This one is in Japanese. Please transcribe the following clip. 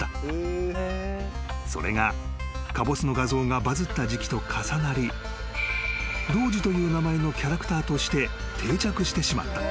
［それがかぼすの画像がバズった時期と重なりＤＯＧＥという名前のキャラクターとして定着してしまった］